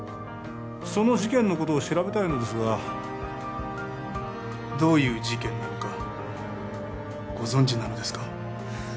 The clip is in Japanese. その事件のことを調べたいのですがどういう事件なのかご存じなのですか？